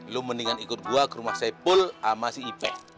lu mendingan ikut gue ke rumah saipul sama si ipe